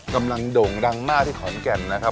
กำลังด่งรังมากที่คอนแก่นนะครับ